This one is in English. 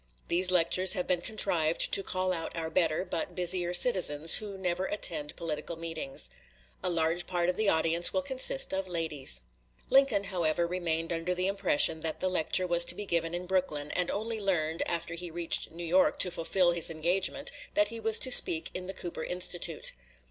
These lectures have been contrived to call out our better, but busier citizens, who never attend political meetings. A large part of the audience will consist of ladies." Lincoln to McNeill, April 6, 1860. Lamon, "Life of Lincoln." p. 441. Lincoln, however, remained under the impression that the lecture was to be given in Brooklyn, and only learned after he reached New York to fulfill his engagement that he was to speak in the Cooper Institute.